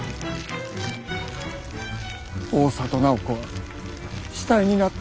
大郷楠宝子は「死体になった」